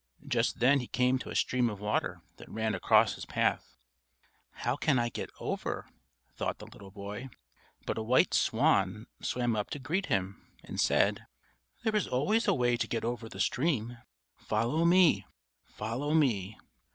Just then he came to a stream of water that ran across his path. "How can I get over?" thought the little boy; but a white swan swam up to greet him, and said: "There is always a way to get over the stream. Follow me! follow me!"